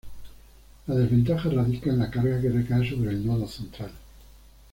La desventaja radica en la carga que recae sobre el nodo central.